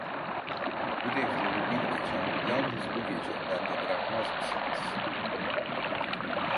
Bu defteri bir gece, yalnız bu gece bende bırakmaz mısınız?